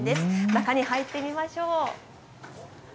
中に入ってみましょう。